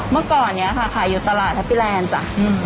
เมื่อก่อนนี้ค่ะขายอยู่ตลาดแฮปปี้แลนด์จ้ะ